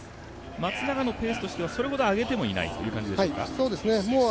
松永のペースとしてはそれほど上げてもいないという感じでしょうか。